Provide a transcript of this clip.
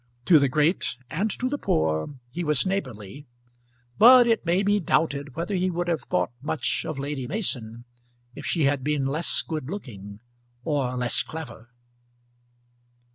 To the great and to the poor he was neighbourly; but it may be doubted whether he would have thought much of Lady Mason if she had been less good looking or less clever.